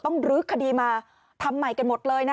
รื้อคดีมาทำใหม่กันหมดเลยนะ